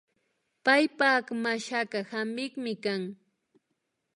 Paypak mashaka hampikmi kan